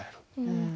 うん。